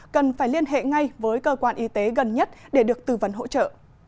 cần phải liên hệ ngay với cơ quan y tế gần nhất để được tư vấn hỗ trợ